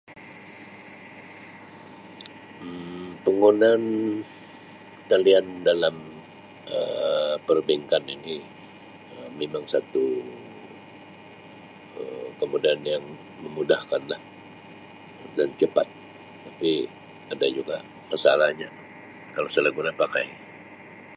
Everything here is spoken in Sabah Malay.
Um Penggunaan talian dalam Um perbankan ini Um memang satu Um kemudahan yang memudahkan lah dan cepat tapi ada juga masalahnya kalau salah guna pakai.